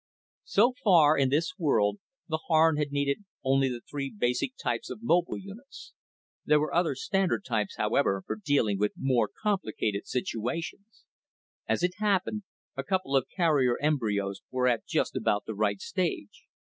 So far, in this world, the Harn had needed only the three basic types of mobile units. There were other standard types, however, for dealing with more complicated situations. As it happened, a couple of carrier embryos were at just about the right stage.